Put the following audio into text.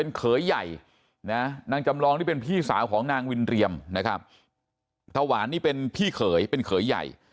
เขยใหญ่นะนางจำลองนี่เป็นพี่สาวของนางวินเรียมนะครับทวานนี่เป็นพี่เขยเป็นเขยใหญ่